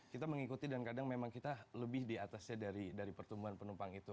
kita mengikuti dan kadang memang lebih di atas dari pertumbuhan penumpang itu